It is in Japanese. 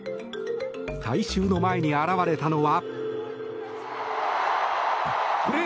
大衆の前に現れたのは。